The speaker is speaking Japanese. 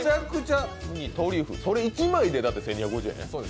それ１枚で１２５０円？